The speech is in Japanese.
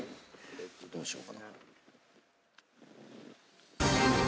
どうしようかな？